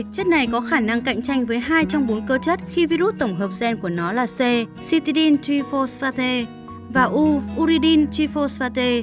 chất này có khả năng cạnh tranh với hai trong bốn cơ chất khi virus tổng hợp gen của nó là c citidine g phosphate và u uridine g phosphate